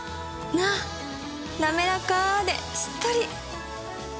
なめらかでしっとり！